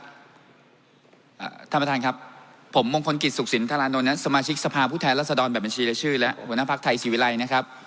สักครู่ครับท่านประธานครับผมมงคลกิจสุขสินธรรณโนนัทสมาชิกสภาพผู้แท้รัศดรแบบบัญชีและชื่อและหัวหน้าภักดิ์ไทยศิวิไลนะครับ